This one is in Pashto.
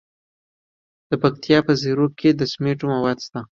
د پکتیکا په زیروک کې د سمنټو مواد شته.